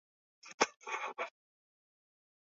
Uchaguzi wa kenya.